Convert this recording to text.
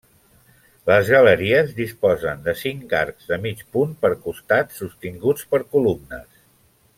Les galeries disposen de cinc arcs de mig punt per costat sostinguts per columnes.